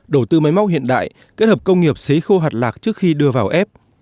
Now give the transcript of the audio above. đầu tư máy móc hiện đại kết hợp công nghiệp xấy khô hạt lạc trước khi đưa vào ép